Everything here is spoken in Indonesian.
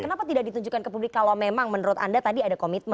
kenapa tidak ditunjukkan ke publik kalau memang menurut anda tadi ada komitmen